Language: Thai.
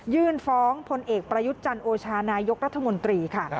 ยื่นฟ้องพลเอกประยุทธ์จันโอชานายกรัฐมนตรีค่ะ